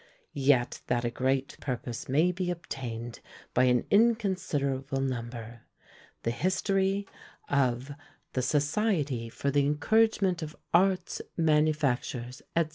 Yet that a great purpose may be obtained by an inconsiderable number, the history of "The Society for the Encouragement of Arts, Manufactures," &c.